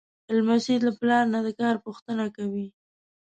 لمسی له پلار نه د کار پوښتنه کوي.